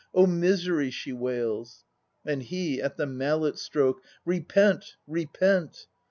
Oh misery!" she wails. And he, at the mallet stroke, "Repent, repent!"